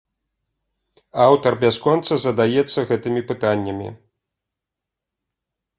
Аўтар бясконца задаецца гэтымі пытаннямі.